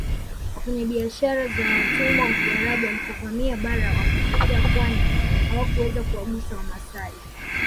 Wafanyabiashara za watumwa wa Kiarabu walipovamia bara wakitokea pwani hawakuweza kuwagusa wamasai